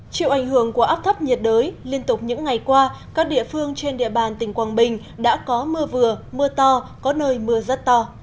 chịu ảnh hưởng của áp thấp nhiệt đới liên tục những ngày qua các địa phương trên địa bàn tỉnh quảng bình đã có mưa vừa mưa to có nơi mưa rất to